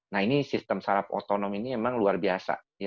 nah ini sistem sarap otonom ini memang luar biasa